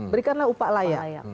berikanlah upah layak